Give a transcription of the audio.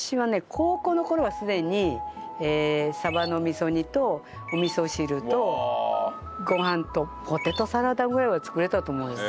高校の頃はすでに鯖の味噌煮とお味噌汁とご飯とポテトサラダぐらいは作れたと思います。